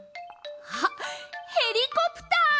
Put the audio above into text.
あっヘリコプター！